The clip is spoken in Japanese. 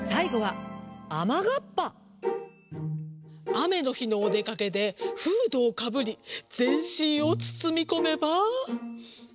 あめのひのおでかけでフードをかぶりぜんしんをつつみこめば。